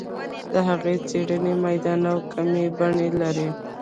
د هغه څېړنه میداني او کمي بڼه لري.